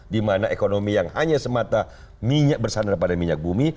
dimana ekonomi yang hanya semata minyak bersandar pada minyak bumi